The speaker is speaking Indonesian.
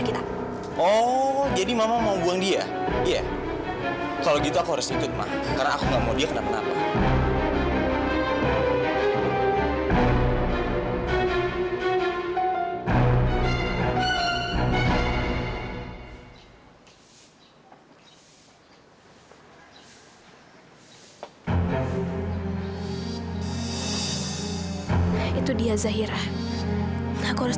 kalung kalung itu gak ada hubungannya dengan kakak